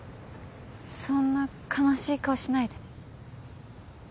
そんな悲しい顔しないで。